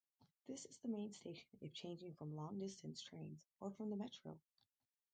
This is the main station if changing from long-distance trains or from the metro.